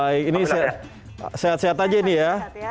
baik ini sehat sehat aja ini ya